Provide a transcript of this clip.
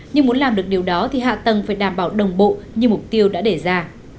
nhưng muốn làm được điều đó thì hạ tầng phải đảm bảo đồng bộ như mục tiêu đã để ra